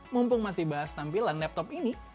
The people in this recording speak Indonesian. mumpung masih bahas tampilan laptop ini